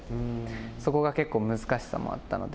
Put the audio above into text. そこが結構難しさもあったので。